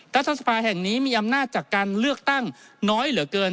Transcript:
รัฐสภาแห่งนี้มีอำนาจจากการเลือกตั้งน้อยเหลือเกิน